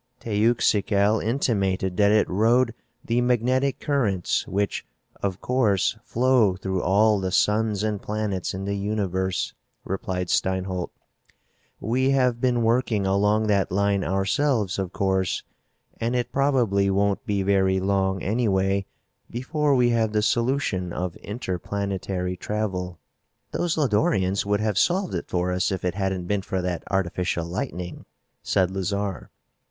"Teuxical intimated that it rode the magnetic currents which, of course, flow through all the suns and planets in the universe," replied Steinholt. "We have been working along that line ourselves, of course, and it probably won't be very long anyway before we have the solution of interplanetary travel." "Those Lodorians would have solved it for us if it hadn't been for that artificial lightning," said Lazarre.